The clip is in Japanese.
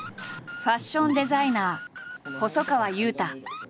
ファッションデザイナー細川雄太。